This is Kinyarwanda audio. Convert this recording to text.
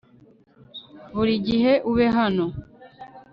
burigihe ube hano